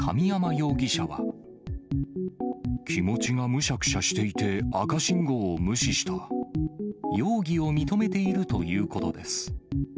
気持ちがむしゃくしゃしていて、容疑を認めているということです。